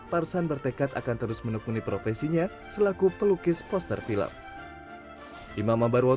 parsan bertekad akan terus menekuni profesinya selaku pelukis poster film